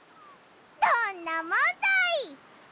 どんなもんだい！